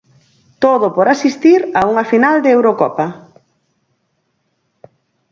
Todo por asistir a unha final de Eurocopa.